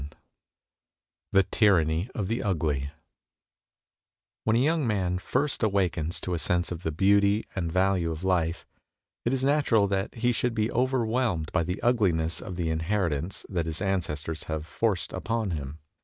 II THE TYRANNY OF THE UGLY WHEN a young man first awakens to a sense of the beauty and value of life, it is natural that he should be overwhelmed by the ugli ness of the inheritance that his ancestors have forced upon him.